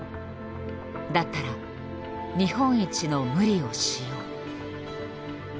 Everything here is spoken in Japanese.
だったら日本一の無理をしよう」。